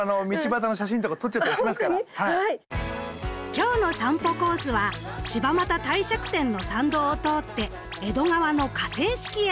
今日の散歩コースは柴又帝釈天の参道を通って江戸川の河川敷へ。